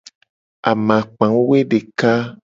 Amakpa woedeka.